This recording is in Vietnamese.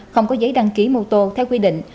không có giấy đăng ký mô tô theo quy định